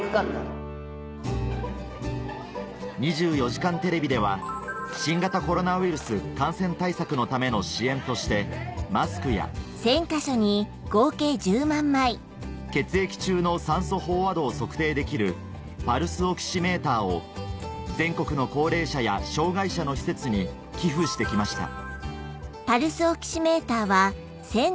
『２４時間テレビ』では新型コロナウイルス感染対策のための支援としてマスクや血液中の酸素飽和度を測定できるパルスオキシメーターを全国の高齢者や障がい者の施設に寄付して来ました